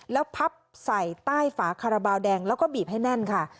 แล้วพับใส่ใต้ฝาคาราบาลแดงแล้วก็บีบให้แน่นค่ะ